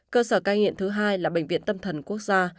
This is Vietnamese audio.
cơ sở cai nghiện thứ hai là bệnh viện tâm thần quốc gia